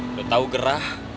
udah tau gerah